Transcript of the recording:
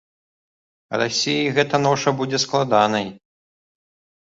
Расіі гэта ноша будзе складанай.